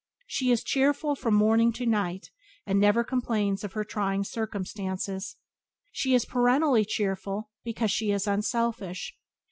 She is cheerful from morning to night, and never complains of her "trying circumstances." She is perennially cheerful because she is unselfish.